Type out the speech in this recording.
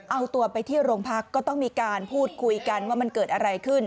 เอาตัวไปที่โรงพักก็ต้องมีการพูดคุยกันว่ามันเกิดอะไรขึ้น